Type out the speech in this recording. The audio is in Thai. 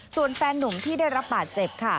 ส่วนแฟนหนุ่มที่ได้รับปากเจ็บ